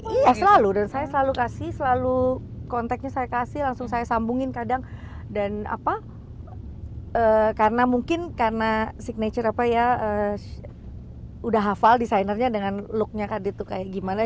iya selalu dan saya selalu kasih selalu konteknya saya kasih langsung saya sambungin kadang dan apa karena mungkin karena signature apa ya udah hafal desainernya dengan looknya kadi tuh kayak gimana